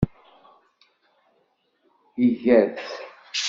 Iga-t.